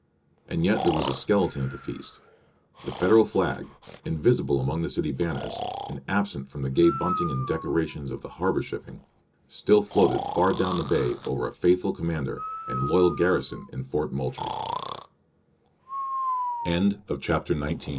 And yet there was a skeleton at the feast; the Federal flag, invisible among the city banners, and absent from the gay bunting and decorations of the harbor shipping, still floated far down the bay over a faithful commander and loyal garrison i